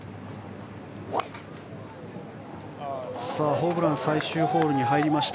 ホブランは最終ホールに入りました。